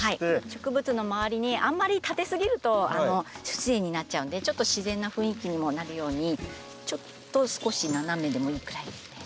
植物の周りにあんまり立て過ぎると不自然になっちゃうのでちょっと自然な雰囲気にもなるようにちょっと少し斜めでもいいくらいですね。